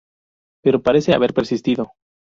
Pero parece haber persistido.